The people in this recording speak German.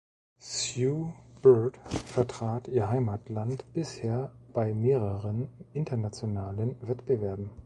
Sue Bird vertrat ihr Heimatland bisher bei mehreren internationalen Wettbewerben.